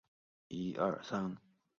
由此得出第二条伦敦方程。